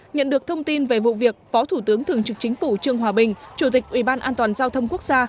nhận được thông tin về vụ việc phó thủ tướng thường trực chính phủ trương hòa bình chủ tịch ủy ban an toàn giao thông quốc gia